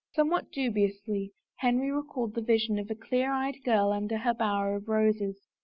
Somewhat dubiously Henry recalled the vision of a clear eyed girl under her bower of roses.